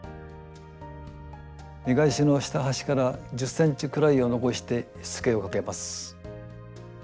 見返しの下端から１０ｃｍくらいを残してしつけをかけます。